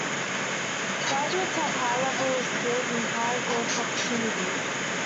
Graduates have high-level skills and high-growth opportunities.